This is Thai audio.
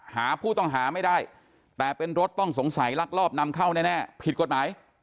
หาผู้ต้องหาไม่ได้แต่เป็นรถต้องสงสัยลักลอบนำเข้าแน่ผิดกฎหมาย